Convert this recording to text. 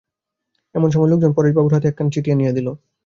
এমন সময় একজন লোক পরেশবাবুর হাতে একখানি চিঠি আনিয়া দিল।